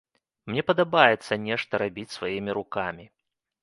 Мне падабаецца нешта рабіць сваімі рукамі.